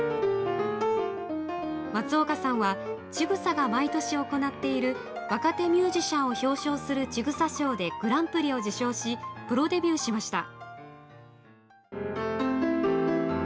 松岡さんはちぐさが毎年行っている若手ミュージシャンを表彰するちぐさ賞でグランプリを受賞しプロデビューしました。